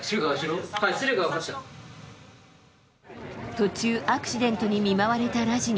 途中、アクシデントに見舞われたラジニ。